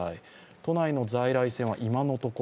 都内の在来線は今のところ、